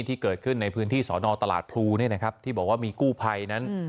ที่เกิดขึ้นในพื้นที่สอนอตลาดพลูที่บอกว่ามีกู้ภัยนั้น